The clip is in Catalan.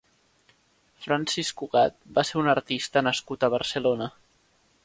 Francis Cugat va ser un artista nascut a Barcelona.